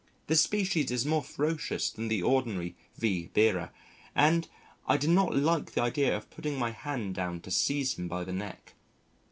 This species is more ferocious than the ordinary V. bera, and I did not like the idea of putting my hand down to seize him by the neck.